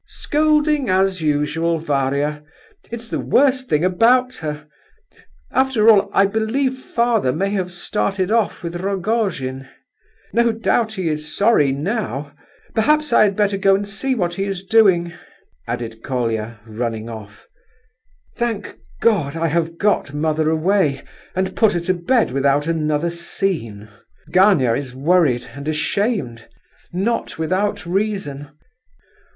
"Scolding as usual, Varia! It is the worst thing about her. After all, I believe father may have started off with Rogojin. No doubt he is sorry now. Perhaps I had better go and see what he is doing," added Colia, running off. "Thank God, I have got mother away, and put her to bed without another scene! Gania is worried—and ashamed—not without reason!